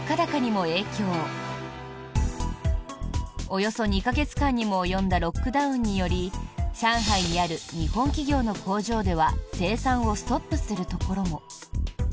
およそ２か月間にも及んだロックダウンにより上海にある日本企業の工場では生産をストップするところも。